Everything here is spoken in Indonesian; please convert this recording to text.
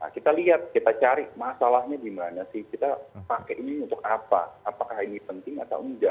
kita lihat kita cari masalahnya di mana sih kita pakai ini untuk apa apakah ini penting atau enggak